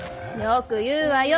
よく言うわよ。